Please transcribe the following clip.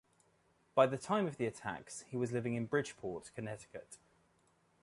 By the time of the attacks, he was living in Bridgeport, Connecticut.